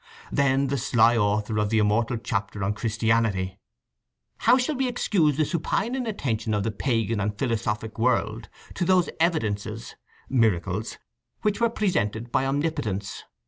Then the sly author of the immortal Chapter on Christianity: "How shall we excuse the supine inattention of the Pagan and philosophic world, to those evidences [miracles] which were presented by Omnipotence?